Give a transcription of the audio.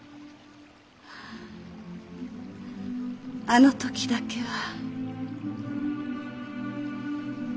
あああの時だけは。